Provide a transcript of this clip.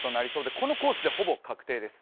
このコースでほぼ確定です。